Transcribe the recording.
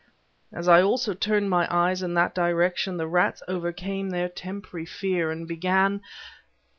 As I also turned my eyes in that direction, the rats overcame their temporary fear, and began...